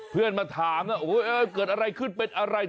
เพื่อนมาถามนะเกิดอะไรขึ้นเป็นอะไร